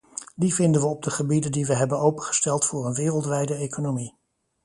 Die vinden we op de gebieden die we hebben opengesteld voor een wereldwijde economie.